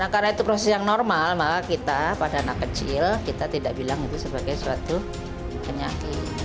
karena itu proses yang normal maka kita pada anak kecil tidak bilang itu sebagai suatu penyakit